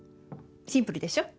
シンプルでしょ。